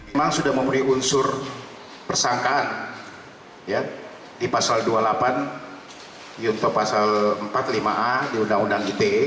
memang sudah memenuhi unsur persangkaan di pasal dua puluh delapan junto pasal empat puluh lima a di undang undang ite